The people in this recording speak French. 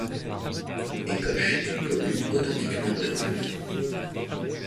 Écoche est une commune authentiquement rurale.